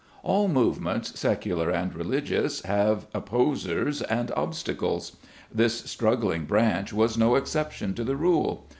All movements, secular and religious, have oppo SPECIAL TRAITS. Ill sers and obstacles. This struggling branch was no exception to the rule.